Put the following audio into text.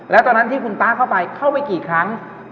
แล้วตอนนั้นที่คุณต้าเข้าไปเข้าไปกี่ครั้ง